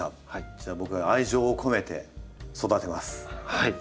じゃあ僕が愛情を込めて育てます！